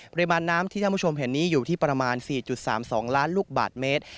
ปริมาณน้ำที่ท่านผู้ชมเห็นนี้อยู่ที่ประมาณ๔๓๒ล้านลูกบาทเมตร